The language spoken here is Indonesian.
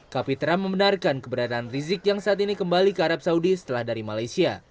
kapitra membenarkan keberadaan rizik yang saat ini kembali ke arab saudi setelah dari malaysia